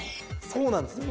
そうなんですよ。